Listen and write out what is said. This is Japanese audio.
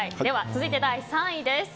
続いて第３位です。